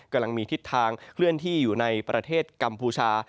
กำลังมีทิศทางเคลื่อนที่อยู่ในประเทศกัมพูชา